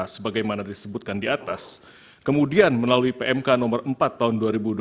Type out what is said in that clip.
sebagaimana disebutkan di atas kemudian melalui pmk nomor empat tahun dua ribu dua puluh